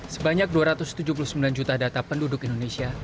sebanyak dua ratus tujuh puluh sembilan juta data penduduk indonesia